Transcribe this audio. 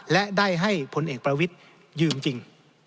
และได้ให้พลเอกประวิทยืมจริง